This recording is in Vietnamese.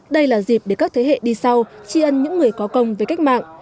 đây là dịp để các thế hệ đi sau tri ân những người có công với cách mạng